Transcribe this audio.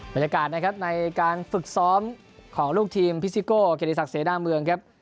บรรยากาศนะครับในการฝึกซ้อมของลูกทีมพิซิโก้เกียรติศักดิเสนาเมืองครับ